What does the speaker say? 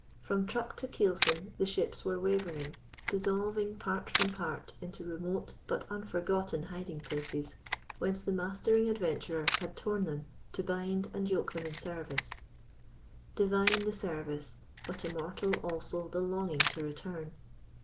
From truck to keelson the ships were wavering, dissolving part from part into remote but unforgotten hiding places whence the mastering adventurer had torn them to bind and yoke them in service. Divine the service, but immortal also the longing to return!